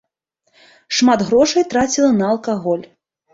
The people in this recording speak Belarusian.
Шмат грошай траціла на алкаголь.